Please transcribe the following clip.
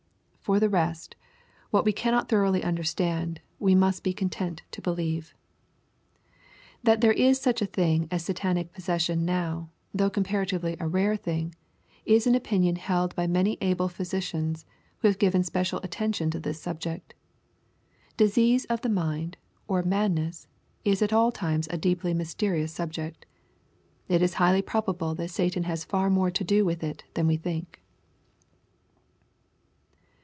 For the rest^ what we cannot thoroughly understand, we must be content to believe. That there is such a thing as Satanic possession now, though comparatively a rare thing, is an opinion held by many able physicians, who have given special attention to this subject Di£H ease of tiie mind, or madness, is at all times a deeply mysterious subject It is highly probable that Satan has far more to do with it ihan we think.